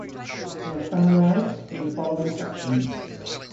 They are summarized in the following sections.